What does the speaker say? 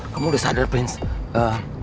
kamu udah sadar prince